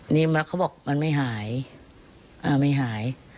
นี่เขาบอกมันไม่หายไม่หาย